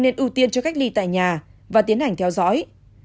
nên ưu tiên cho cách ly tại nhà và tiến hành theo dõi